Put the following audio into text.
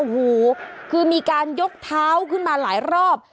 โอ้โหคือมีการยกเท้าขึ้นมาหลายรอบ